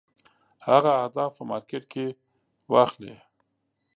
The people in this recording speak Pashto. هغه اهداف په مارکېټ کې واخلي.